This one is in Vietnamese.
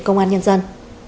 công an nhân dân